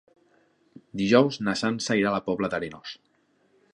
Dijous na Sança irà a la Pobla d'Arenós.